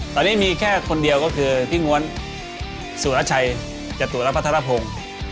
ตอนนี้มีแค่คนเดียวก็คือพี่ง้วนสุรชัยจตุรพัทรพงศ์